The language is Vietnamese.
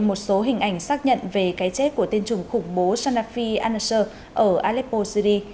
một số hình ảnh xác nhận về cái chết của tên chủng khủng bố sanafi al nusra ở aleppo syri